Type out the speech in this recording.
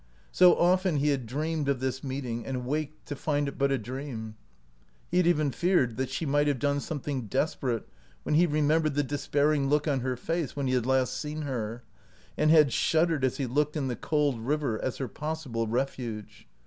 So often he had dreamed of this meeting, and waked to find it but a dream. He had even feared that she might have done something desperate when he remembered the despairing look on her face when he had last seen her, and had shud dered as he looked in the cold river as her possible refuge.